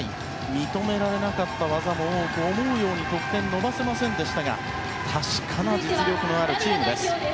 認められなかった技も多く思うように得点を伸ばせませんでしたが確かな実力のあるチームです。